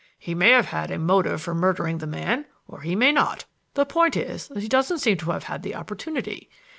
He may have had a motive for murdering the man or he may not. The point is that he doesn't seem to have had the opportunity.